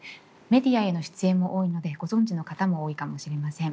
メディアへの出演も多いのでご存じの方も多いかもしれません。